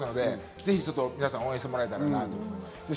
ぜひ皆さん応援してもらいたいと思います。